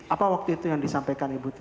apa waktu itu yang disampaikan ibu tuti